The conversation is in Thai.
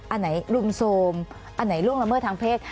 อันไหนรุมโทรมอันไหนล่วงละเมิดทางเพศ